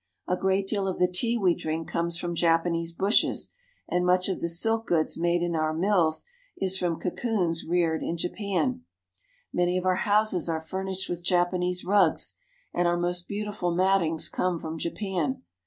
A great deal of the tea we drink comes from Japanese bushes, and much of the Making Matting. silk goods made in our mills is from cocoons reared in Japan. Many of our houses are furnished with Japanese rugs, and our most beautiful mattings come from Japan.